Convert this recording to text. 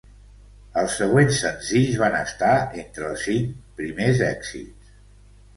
Els següents senzills van estar entre els cinc primers èxits.